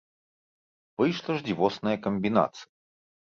Выйшла ж дзівосная камбінацыя.